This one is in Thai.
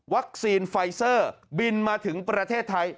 ไฟเซอร์บินมาถึงประเทศไทย